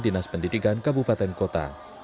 dinas pendidikan kabupaten kota